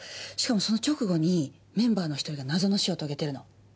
しかもその直後にメンバーの１人が謎の死を遂げてるの。